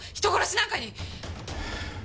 人殺しなんかに！